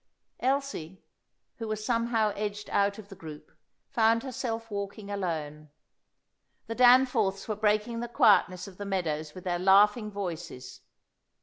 Elsie, who was somehow edged out of the group, found herself walking alone. The Danforths were breaking the quietness of the meadows with their laughing voices.